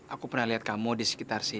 aku pernah lihat kamu di sisi kamar